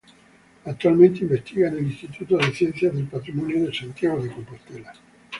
Actualmente investiga en el Instituto de Ciencias del Patrimonio de Santiago de Compostela.